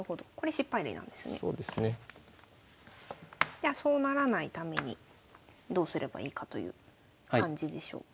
じゃあそうならないためにどうすればいいかという感じでしょうか。